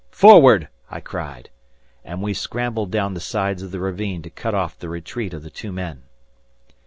"Forward," I cried. And we scrambled down the sides of the ravine to cut off the retreat of the two men.